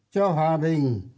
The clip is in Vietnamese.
cho hòa bình